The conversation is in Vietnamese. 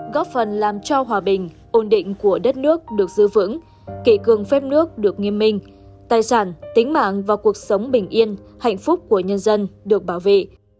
góp phần làm cho hòa bình ổn định của đất nước được giữ vững kỷ cương phép nước được nghiêm minh tài sản tính mạng và cuộc sống bình yên hạnh phúc của nhân dân được bảo vệ